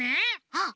あっ！